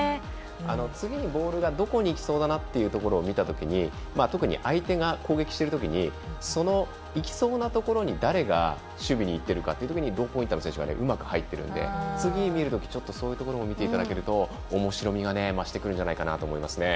次のボールがどこにいきそうかというところを見たときに特に相手が攻撃しているときにいきそうなところに誰が守備にいってるかを見るとローポインターの選手がうまく入ってるので次、見るときそういうところも見てもらえるとおもしろみが増してくるんじゃないかなと思いますね。